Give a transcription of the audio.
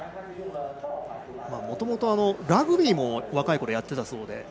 もともとラグビーも若いころやってたそうで。